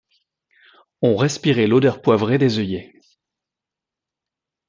On respirait l’odeur poivrée des œillets.